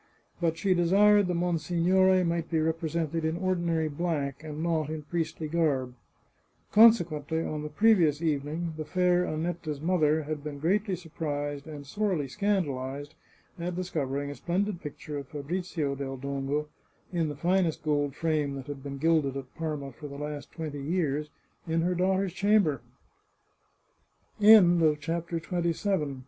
But she desired the monsignore might be represented in ordinary black, and not in priestly garb. Consequently, on the previous evening, the fair Annetta's mother had been greatly surprised and sorely scandalized at discovering a splendid picture of Fabrizio del Dongo, in the finest gold frame that had been gilded at Parma for the last twenty yea